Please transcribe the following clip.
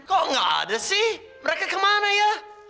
kok nggak ada sih mereka kemana ya